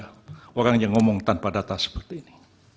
ada orang yang ngomong tanpa data seperti ini